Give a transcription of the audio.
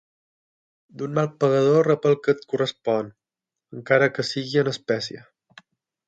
D'un mal pagador rep el que et correspon, encara que sigui en espècie.